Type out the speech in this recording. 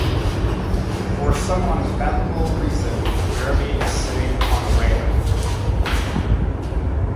For some unfathomable reason, Jeremie is sitting on the railing.